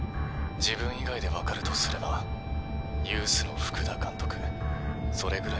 自分以外で分かるとすればユースの福田監督それぐらいなので」。